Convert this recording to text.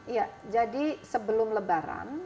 iya jadi sebelum lebaran